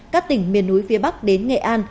các tỉnh miền núi phía bắc đến nghệ an